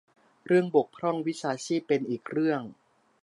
เรื่องบกพร่องวิชาชีพเป็นอีกเรื่อง